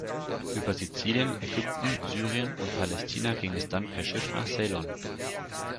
Über Sizilien, Ägypten, Syrien und Palästina ging es dann per Schiff nach Ceylon.